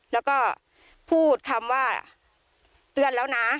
แล้วก็พูดคำว่าเตือนแล้วนะ